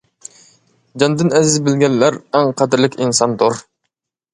جاندىن ئەزىز بىلگەنلەر، ئەڭ قەدىرلىك ئىنساندۇر.